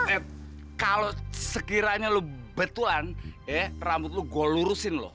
eh kalo sekiranya lu betuan ya rambut lu gua lurusin loh